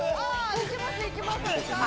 行けます、行けます。